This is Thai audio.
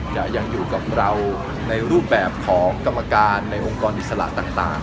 ยังอยู่กับเราในรูปแบบของกรรมการในองค์กรอิสระต่าง